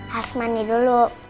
harus mandi dulu